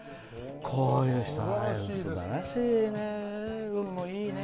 こういう人は、すばらしいね。